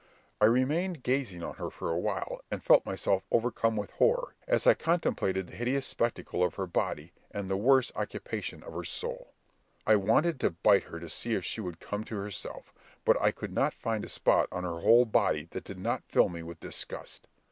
I remained gazing on her for a while, and felt myself overcome with horror as I contemplated the hideous spectacle of her body, and the worse occupation of her soul. I wanted to bite her to see if she would come to herself, but I could not find a spot on her whole body that did not fill me with disgust.